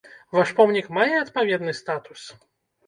Ваш помнік мае адпаведны статус?